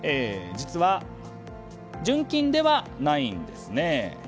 実は、純金ではないんですね。